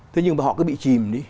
thế nhưng mà họ cứ bị chìm đi